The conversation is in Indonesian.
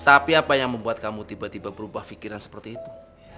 tapi apa yang membuat kamu tiba tiba berubah pikiran seperti itu